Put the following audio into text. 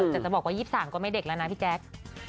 แต่จะบอกว่า๒๓ก็ไม่เด็กแล้วนะพี่แจ๊ค